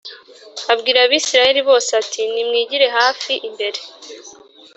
abwira Abisirayeli bose ati Nimwigire hafi imbere